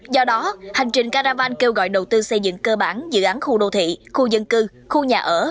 do đó hành trình caravan kêu gọi đầu tư xây dựng cơ bản dự án khu đô thị khu dân cư khu nhà ở